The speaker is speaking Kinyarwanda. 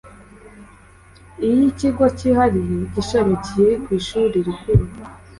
iy ikigo cyihariye gishamikiye ku ishuri rikuru